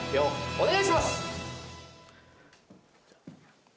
お願いします。